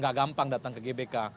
gak gampang datang ke gbk